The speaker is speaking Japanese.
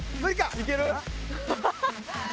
いける？